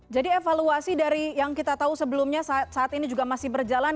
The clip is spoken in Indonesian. jadi evaluasi dari yang kita tahu sebelumnya saat ini juga masih berjalan